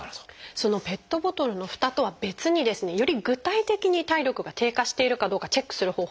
そのペットボトルのふたとは別にですねより具体的に体力が低下しているかどうかチェックする方法があるんですよね。